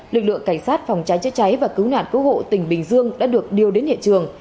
lực lượng cảnh sát phòng trái chế cháy và cứu nạn cứu hộ tỉnh bình dương đã được điều đến hiện trường